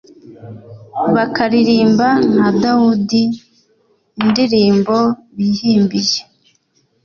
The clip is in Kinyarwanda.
bakaririmba nka Dawudi indirimbo bihimbiye,